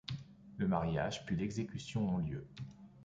Le mariage puis l'exécution ont lieu.